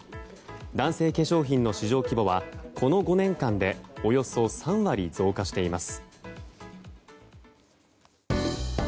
男性化粧品の市場規模はこの５年間でおよそ３割増加しています。